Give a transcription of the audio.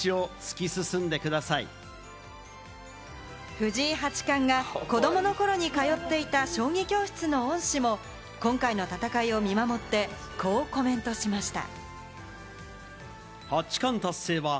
藤井八冠が子どもの頃に通っていた、将棋教室の恩師も今回の戦いを見守って、こうコメントしました。